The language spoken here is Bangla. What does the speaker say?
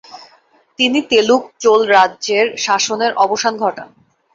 তিনি তেলুগু চোল রাজ্যের শাসনের অবসান ঘটান।